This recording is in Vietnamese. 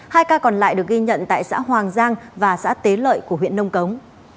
hai ca còn lại được ghi nhận tại xã hoàng giang và xã tế lợi của huyện nông cống